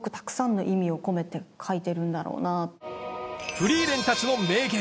フリーレンたちの名言